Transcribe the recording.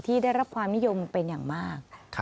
ได้รับความนิยมเป็นอย่างมาก